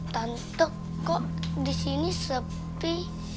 tante kok di sini sepi